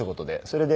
それで。